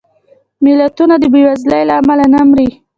ملتونه د بېوزلۍ له امله نه مري